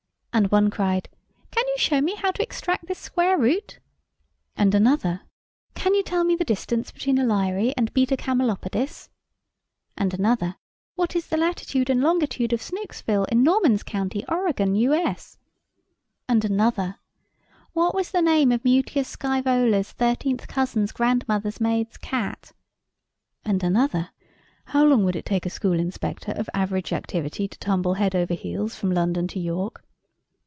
And one cried, "Can you show me how to extract this square root?" And another, "Can you tell me the distance between α Lyræ and β Camelopardis?" And another, "What is the latitude and longitude of Snooksville, in Noman's County, Oregon, U.S.?" And another, "What was the name of Mutius Scævola's thirteenth cousin's grandmother's maid's cat?" And another, "How long would it take a school inspector of average activity to tumble head over heels from London to York?"